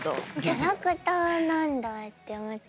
キャラクターなんだって思って。